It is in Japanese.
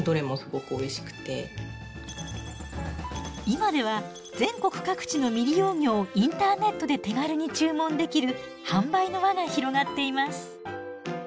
今では全国各地の未利用魚をインターネットで手軽に注文できる販売の輪が広がっています。